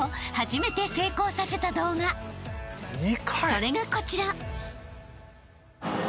［それがこちら］